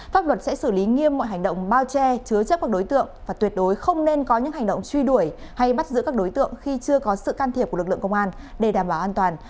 pháp luật sẽ xử lý nghiêm mọi hành động bao che chứa chấp các đối tượng và tuyệt đối không nên có những hành động truy đuổi hay bắt giữ các đối tượng khi chưa có sự can thiệp của lực lượng công an để đảm bảo an toàn